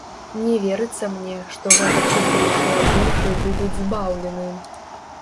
Не верыцца мне, што гэтак тутэйшыя душы будуць збаўлены.